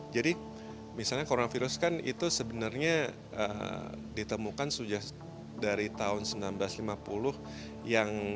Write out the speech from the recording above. jadi misalnya coronavirus kan itu sebenarnya ditemukan sudah dari tahun seribu sembilan ratus lima puluh